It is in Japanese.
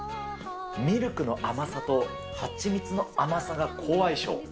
ミルクの甘さと蜂蜜の甘さが好相性。